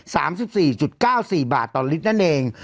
สามสิบสี่จุดเก้าสี่บาทต่อลิตรนั่นเอง